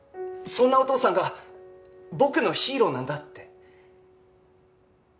そんなお父さんが僕のヒーローなんだって。